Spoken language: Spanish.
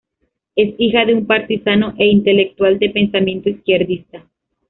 Es hija de un partisano e intelectual de pensamiento izquierdista.